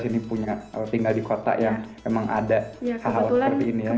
jadi kita sini punya tinggal di kota yang memang ada hal hal seperti ini ya